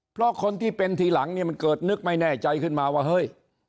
เพราะคนที่เป็นทีหลังเนี่ยมันเกิดนึกไม่แน่ใจขึ้นมาว่าเฮ้ย